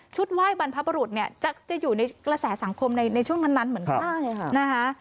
ชุดไหว้บรรพบรุษจะอยู่ในกระแสสังคมในช่วงเมื่อนั้น